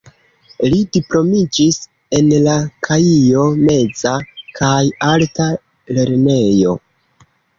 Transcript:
Li diplomiĝis en la Kaijo-meza kaj alta lernejo.